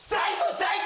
最高！